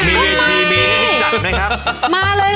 ทีมีให้จับนะครับ